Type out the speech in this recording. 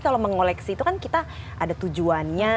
kalau mengoleksi itu kan kita ada tujuannya